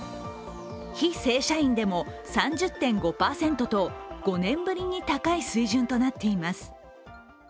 非正社員でも３０．５％と５年ぶりに高い水準となっています。